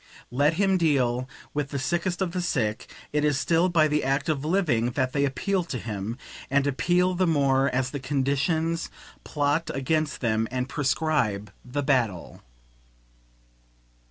Let him deal with the sickest of the sick, it is still by the act of living that they appeal to him, and appeal the more as the conditions plot against them and prescribe the battle.